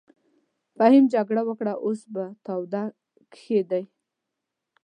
فهيم جګړه وکړه اوس په تاوده کښی دې.